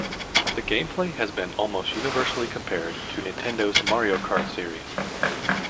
The gameplay has been almost universally compared to Nintendo's "Mario Kart" series.